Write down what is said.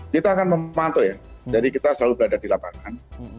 kita akan memantau ya jadi kita selalu berada di lapangan